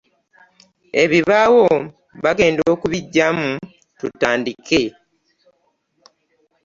Ebibaawo bagenda okubiggyamu tutandike.